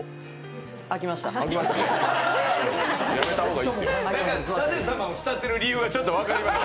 開きました。